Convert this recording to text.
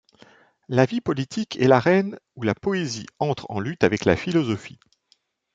La vie politique est l'arène où la poésie entre en lutte avec la philosophie.